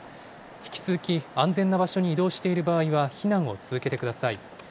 引き続き安全な場所に移動している場合は避難を続けてください。